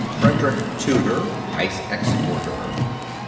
FREDERICK TUDOR, ICE EXPORTER.